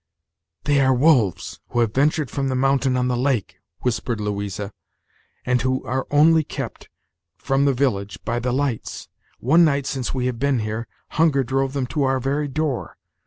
"They are wolves, who have ventured from the mountain, on the lake," whispered Louisa, "and who are only kept from the village by the lights. One night, since we have been here, hunger drove them to our very door.